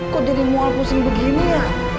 kok jadi mual pusing begini ya